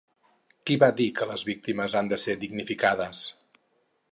Qui va dir que les víctimes han de ser dignificades?